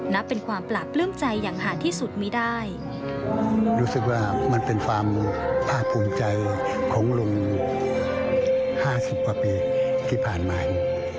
นับเป็นความปลากลืมใจอย่างหารที่สุดมีดาย